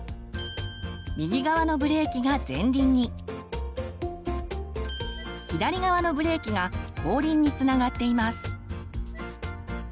右側のブレーキが前輪に左側のブレーキが後輪につながっています。